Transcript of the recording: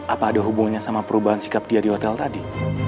apa ada hubungannya sama perubahan sikap dia di hotel tadi